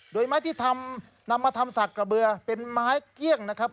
โดยไม้ที่ทำนำมาทำสักกระเบือเป็นไม้เกลี้ยงนะครับ